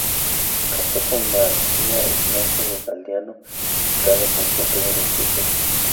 Casó con María Ignacia de Galdeano y Prado, con quien tuvo dos hijos.